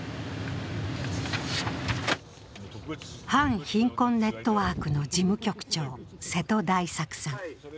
反貧困ネットワークの事務局長瀬戸大作さん。